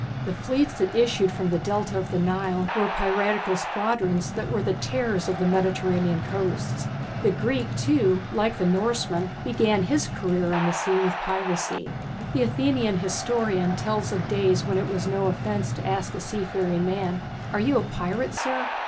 The fleets that issued from the Delta of the Nile were piratical squadrons, that were the terrors of the Mediterranean coasts. The Greek, too, like the Norseman, began his career on the sea with piracy. The Athenian historian tells of days when it was no offence to ask a seafaring man, "Are you a pirate, sir?"